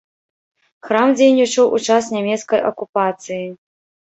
Храм дзейнічаў у час нямецкай акупацыі.